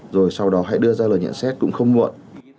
rồi sau đó hãy đưa ra lời nhận xét cũng không muộn